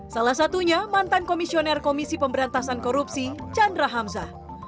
salah satunya mantan komisioner komisi pemberantasan korupsi chandra hamzah